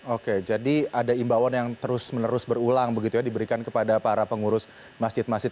oke jadi ada imbauan yang terus menerus berulang begitu ya diberikan kepada para pengurus masjid masjid